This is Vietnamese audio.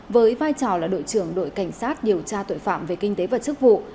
với vai trò là đội trưởng đội cảnh sát điều tra tội phạm về kinh tế và chức vụ